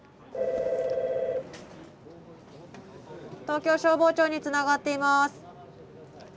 ☎東京消防庁につながっています。